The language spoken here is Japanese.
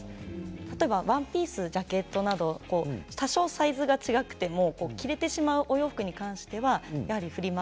例えばワンピースやジャケットなど多少サイズが違っても着られてしまうお洋服に関してはフリマ